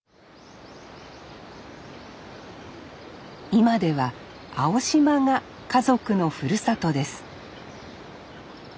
今では青島が家族のふるさとです